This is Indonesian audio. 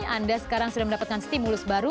anda sekarang sudah mendapatkan stimulus baru